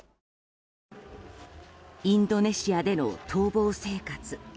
インドネシアでの逃亡生活。